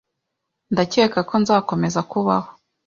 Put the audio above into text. Ndakeka ko nzakomeza kubaho.